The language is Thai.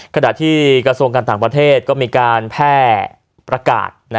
ขณะที่กระทรวงการต่างประเทศก็มีการแพร่ประกาศ